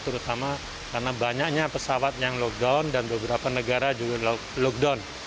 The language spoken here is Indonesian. terutama karena banyaknya pesawat yang lockdown dan beberapa negara juga lockdown